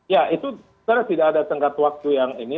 ya itu tidak ada tenggat waktu yang ini